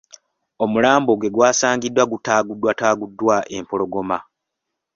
Omulambo gwe gw’asangibwa gutaaguddwataaguddwa empologoma.